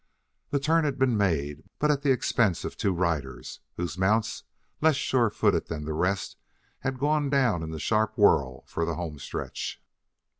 The turn had been made, but at the expense of two riders, whose mounts, less sure footed than the rest, had gone down in the sharp whirl for the home stretch.